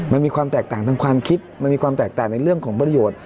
มันมีความแตกต่างทางความคิดมันมีความแตกต่างในเรื่องของประโยชน์